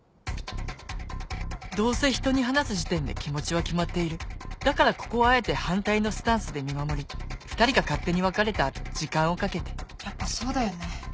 どうせひとに話す時点で気持ちは決まっているだからここはあえて反対のスタンスで見守り２人が勝手に別れた後時間をかけてやっぱそうだよね